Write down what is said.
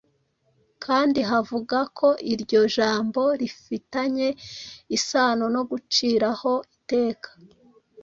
kandi havuga ko iryo jambo rifitanye isano no "guciraho iteka"